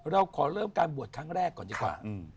เราขอเริ่มการบวชครั้งแรกก่อนดีกว่า